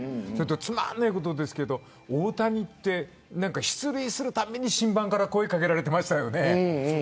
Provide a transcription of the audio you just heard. つまらないことですけど大谷って出塁するたびに審判から声掛けられてましたよね。